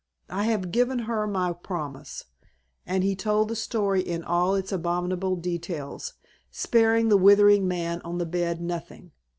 I have given her my promise." And he told the story in all its abominable details, sparing the writhing man on the bed nothing.